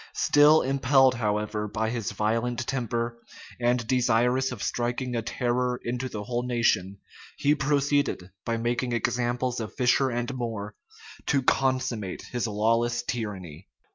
Still impelled, however, by his violent temper, and desirous of striking a terror into the whole nation, he proceeded, by making examples of Fisher and More, to consummate his lawless tyranny.